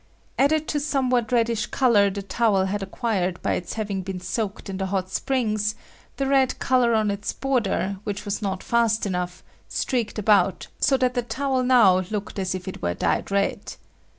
Added to somewhat reddish color the towel had acquired by its having been soaked in the hot springs, the red color on its border, which was not fast enough, streaked about so that the towel now looked as if it were dyed red.